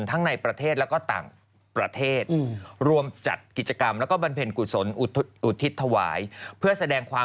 ทั้งในประเทศและต่างประเทศ